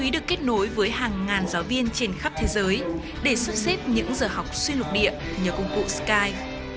đối với hàng ngàn giáo viên trên khắp thế giới để xuất xếp những giờ học suy lục địa nhờ công cụ sky